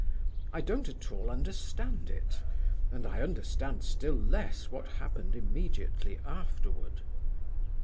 I don't at all understand it, and I understand still less what happened immediately afterward.